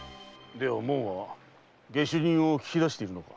ではもんは下手人を訊き出しているのか？